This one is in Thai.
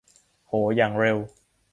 โห อย่างเร็ว